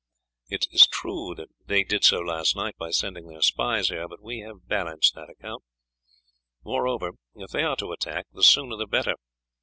It is true that they did so last night by sending their spies here, but we have balanced that account. Moreover, if they are to attack, the sooner the better.